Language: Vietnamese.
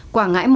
quảng ngãi một